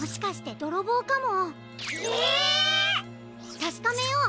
たしかめよう！